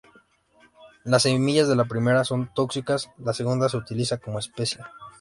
Las semillas de la primera son tóxicas; la segunda se utiliza como especia.